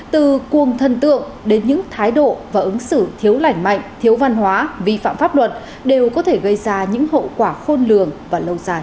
từ cuồng thân tượng đến những thái độ và ứng xử thiếu lành mạnh thiếu văn hóa vi phạm pháp luật đều có thể gây ra những hậu quả khôn lường và lâu dài